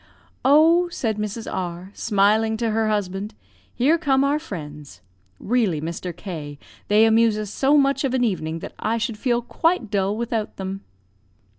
"'Oh,' said Mrs. R , smiling to her husband, 'here come our friends. Really, Mr. K , they amuse us so much of an evening that I should feel quite dull without them.'